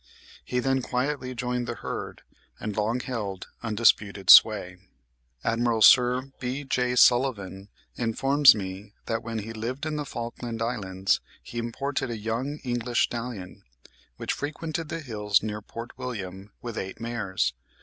He then quietly joined the herd, and long held undisputed sway. Admiral Sir B.J. Sulivan informs me that, when he lived in the Falkland Islands, he imported a young English stallion, which frequented the hills near Port William with eight mares.